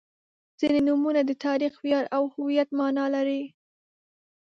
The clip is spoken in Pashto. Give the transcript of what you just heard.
• ځینې نومونه د تاریخ، ویاړ او هویت معنا لري.